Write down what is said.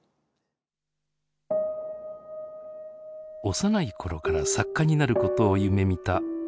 幼い頃から作家になることを夢みた若竹さん。